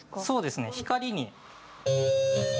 そうですね光に。